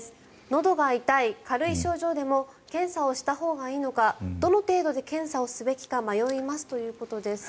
のどが痛い軽い症状でも検査をしたほうがいいのかどの程度で検査をすべきか迷いますということです。